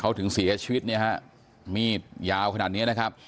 เขาถึงเสียชีวิตเนี่ยฮะมีดยาวขนาดเนี้ยนะครับ